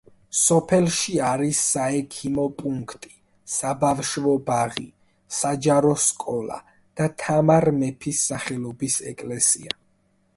სოფელში არის საექიმო პუნქტი, საბავშვო ბაღი, საჯარო სკოლა და თამარ მეფის სახელობის ეკლესია.